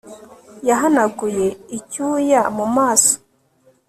yahanaguye icyuya mu maso